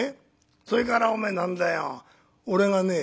それからおめえ何だよ俺がね